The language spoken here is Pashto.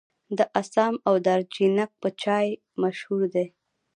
د اسام او دارجلینګ چای مشهور دی.